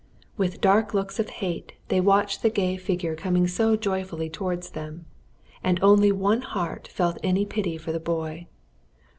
With dark looks of hate they watched the gay figure coming so joyfully towards them, and only one heart felt any pity for the boy.